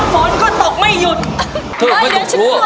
เผื่ออยู่กับฉัน